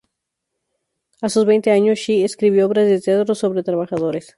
A sus veinte años, Shi escribió obras de teatro sobre trabajadores.